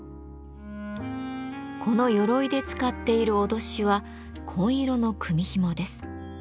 この鎧で使っている威しは紺色の組みひもです。